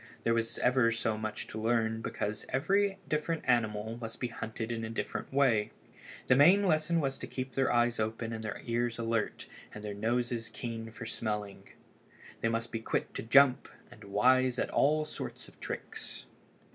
There was ever so much to learn because every different animal must be hunted in a different way. The main lesson was to keep their eyes open and their ears alert and their noses keen for smelling. They must be quick to jump and wise at all sorts of tricks.